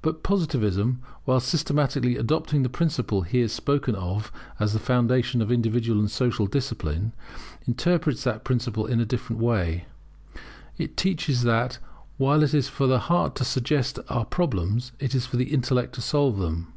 But Positivism, while systematically adopting the principle here spoken of as the foundation of individual and social discipline, interprets that principle in a different way. It teaches that while it is for the heart to suggest our problems, it is for the intellect to solve them.